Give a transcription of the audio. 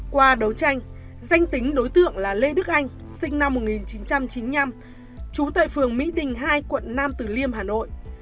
qua đấu tranh danh tính đối tượng là lê đức anh sinh năm một nghìn chín trăm chín mươi năm trú tại phường mỹ đình hai quận nam từ liêm hà nội